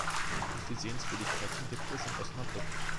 Welche Sehenswürdigkeiten gibt es in Osnabrück?